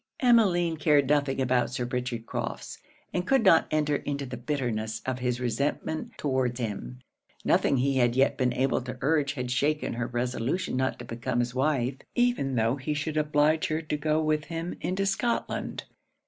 Emmeline cared nothing about Sir Richard Crofts, and could not enter into the bitterness of his resentment towards him. Nothing he had yet been able to urge had shaken her resolution not to become his wife, even tho' he should oblige her to go with him into Scotland.